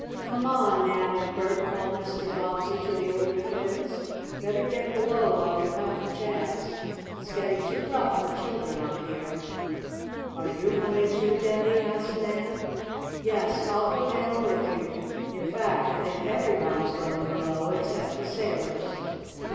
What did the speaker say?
"Come on, Nan and Bert!" called Mr. Bobbsey, to the older twins. "Better get below while you have the chance. It's getting too rough for children up here." "Are you coming too, Daddy?" asked Nan. "Yes, I'll go down with you. In fact, I think every one is going below except the sailors."